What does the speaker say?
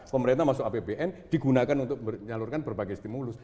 pemerintah masuk apbn digunakan untuk menyalurkan berbagai stimulus